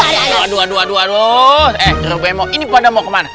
eh robemo ini pada mau kemana